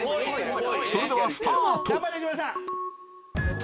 それではスタート！